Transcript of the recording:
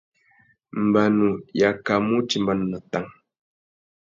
Mbanu i akamú utimbāna nà tang.